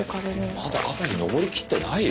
まだ朝日昇りきってないよ。